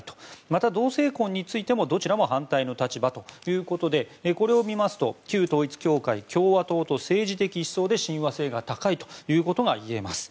また、同性婚についてもどちらも反対の立場ということでこれを見ますと、旧統一教会は共和党と政治的思想で親和性が高いということがいえます。